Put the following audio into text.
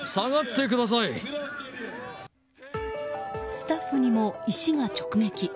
スタッフにも石が直撃。